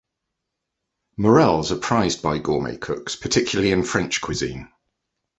Morels are prized by gourmet cooks, particularly in French cuisine.